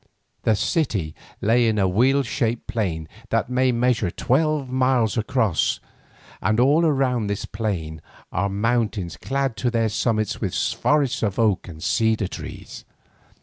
The city lay in a wheelshaped plain that may measure twelve miles across, and all around this plain are mountains clad to their summits with forests of oak and cedar trees.